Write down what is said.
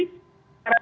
tidak ada di tersebut